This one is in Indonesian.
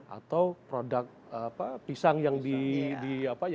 atau produk pisang yang dilapuk